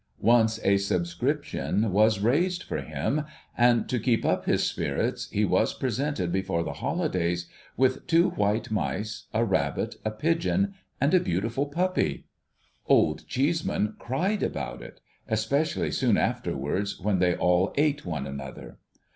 Once a subscription was raised for him ; and, to keep up his spirits, he was presented before the holidays with two white mice, a rabbit, a pigeon, and a beautiful puppy. Old Cheeseman cried about it — especially soon afterwards, when they all ate one another.